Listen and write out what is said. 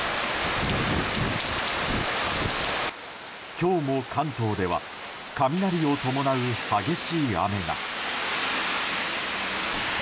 今日も関東では雷を伴う激しい雨が。